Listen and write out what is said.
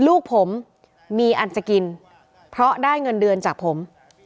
ลูกผมมีอันจะกินเพราะได้เงินเดือนจากผม